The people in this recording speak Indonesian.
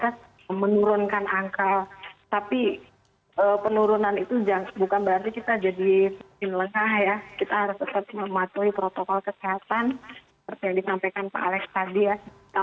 ini memang benar benar harus mencapai menyeluruh seluruh daerah indonesia